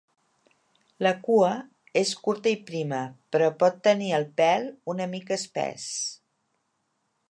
La cua és curta i prima, però pot tenir el pèl una mica espès.